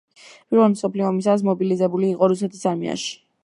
პირველი მსოფლიო ომისას მობილიზებული იყო რუსეთის არმიაში.